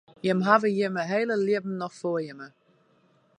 Jimme hawwe jimme hiele libben noch foar jimme.